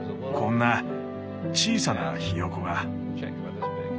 こんな小さなヒヨコが。